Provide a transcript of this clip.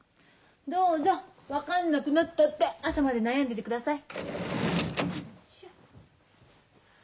どうぞ分かんなくなったって朝まで悩んでてください。